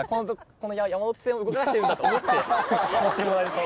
この山手線を動かしてるんだと思って乗ってもらえると。